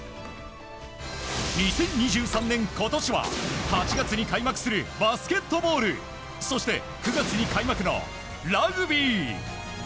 ２０２３年、今年は８月に開幕するバスケットボールそして、９月に開幕のラグビー！